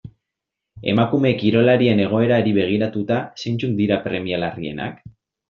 Emakume kirolarien egoerari begiratuta, zeintzuk dira premia larrienak?